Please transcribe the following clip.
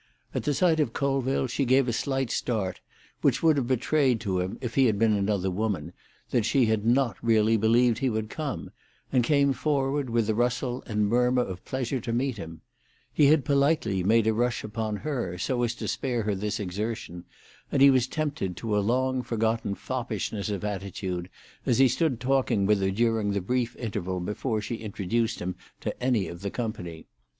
At sight of Colville she gave a slight start, which would have betrayed to him, if he had been another woman, that she had not really believed he would come, and came forward with a rustle and murmur of pleasure to meet him; he had politely made a rush upon her, so as to spare her this exertion, and he was tempted to a long forgotten foppishness of attitude as he stood talking with her during the brief interval before she introduced him to any of the company.